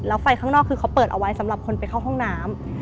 แล้วไฟข้างนอกคือเขาเปิดเอาไว้สำหรับคนไปเข้าห้องน้ำ